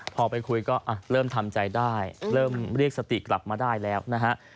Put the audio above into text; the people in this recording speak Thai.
พอไปคุยก็เริ่มทำใจได้เริ่มเรียกสติกลับมาได้แล้วนะฮะ